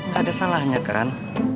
gak ada salahnya kan